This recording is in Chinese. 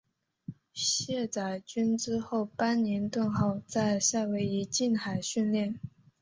卸载军资后班宁顿号在夏威夷近海训练。